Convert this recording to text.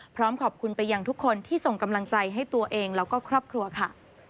พร้อมขอบคุณไปยังทุกคนที่ส่งกำลังใจให้ตัวเองแล้วก็ครอบครัวค่ะ